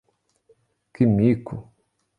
Que mico!